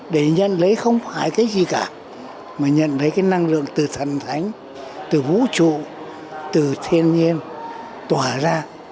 để nhận lấy không phải cái gì cả mà nhận lấy cái năng lượng từ thần thánh từ vũ trụ từ thiên nhiên tỏa ra